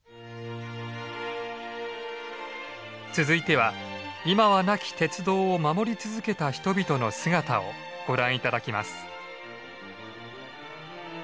続いては今はなき鉄道を守り続けた人々の姿をご覧頂きます。